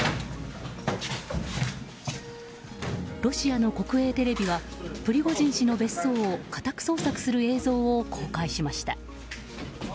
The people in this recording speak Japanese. ロシアの国営テレビはプリゴジン氏の別荘を家宅捜索する映像を公開しました。